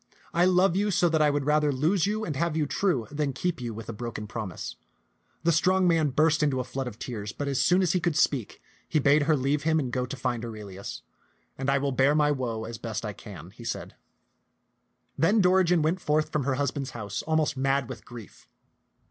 I love you so that I would rather lose you and have you true than keep you with a broken promise." The strong man burst into a flood of tears ; but as soon as he could speak, he bade her leave him and go to find Aurelius, "and I will bear my woe as best I can," he said. 198 t^t panUm'0 tak Then Dorigen went forth from her husband's house ahnost mad with grief.